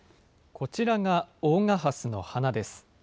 こちらが大賀ハスの花です。